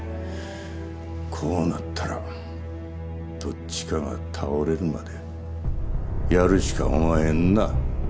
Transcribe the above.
こうなったらどっちかが倒れるまでやるしかおまへんな。